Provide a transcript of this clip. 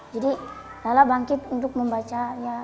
jadi lala bangkit untuk membaca